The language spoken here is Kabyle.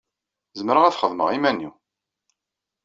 Zemreɣ ad t-xedmeɣ iman-iw.